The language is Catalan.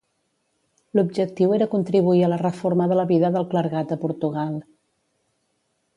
L'objectiu era contribuir a la reforma de la vida del clergat a Portugal.